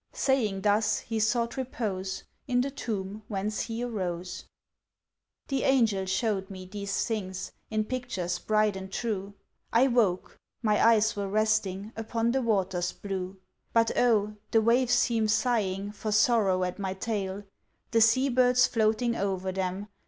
Saying thus he sought repose, In the tomb whence he arose. The Angel shewed me these things, In pictures bright and true; I woke!—my eyes were resting Upon the waters blue. But oh! the waves seem sighing For sorrow at my tale, The sea birds floating o'er them.